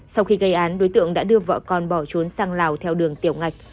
sau khi gây án đối tượng đã đưa vợ con bỏ trốn sang lào theo đường tiểu ngạch